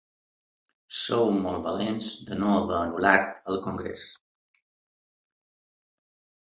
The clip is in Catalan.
Sou molt valents de no haver anul·lat el congrés.